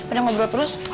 padahal ngobrol terus